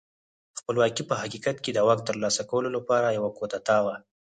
خپلواکي په حقیقت کې د واک ترلاسه کولو لپاره یوه کودتا وه.